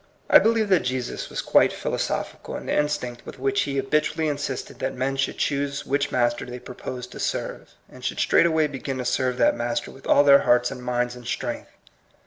I believe that Jesus was quite philo sophical in the instinct with which he ha bitually insisted that men should choose which master they proposed to serve, and should straightway begin to serve that master with all their hearts and minds and strength.